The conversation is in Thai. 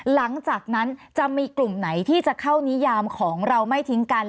หลังจากนั้นจะมีกลุ่มไหนที่จะเข้านิยามของเราไม่ทิ้งกัน